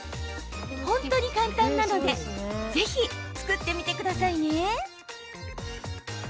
本当に簡単なのでぜひ造ってみてくださいね。